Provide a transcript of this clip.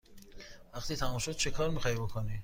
وقتی تمام شد چکار می خواهی بکنی؟